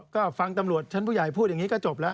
ก็ฟังตำรวจชั้นผู้ใหญ่พูดอย่างนี้ก็จบแล้ว